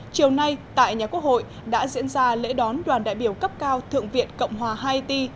chiều nay tại nhà quốc hội đã diễn ra lễ đón đoàn đại biểu cấp cao thượng viện cộng hòa haiti